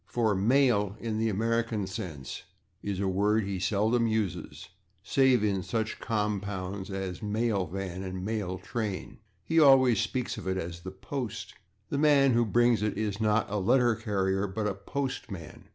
for /mail/, in the American sense, is a word that he seldom uses, save in such compounds as /mail van/ and /mail train/. He always speaks of it as /the post/. The man who brings it is not a /letter carrier/, but a /postman